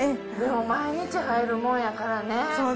でも毎日入るもんやからね。